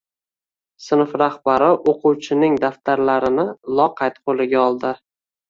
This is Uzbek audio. Sinf rahbari o’quvchining daftarini loqayd qo‘liga oldi.